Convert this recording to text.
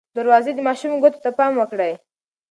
دروازې د ماشوم ګوتو ته پام وکړئ.